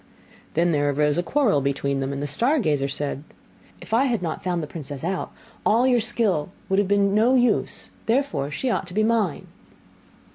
Then there arose a quarrel between them; and the star gazer said, 'If I had not found the princess out, all your skill would have been of no use; therefore she ought to be mine.